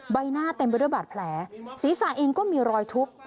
ใบหน้าเต็มไปด้วยบาดแผลศีรษะเองก็มีรอยทุบ